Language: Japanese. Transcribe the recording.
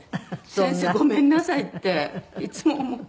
先生ごめんなさいっていつも思う。